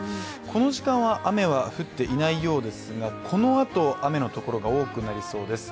この時間は雨は降っていないようですが、このあと、雨のところが多くなりそうです。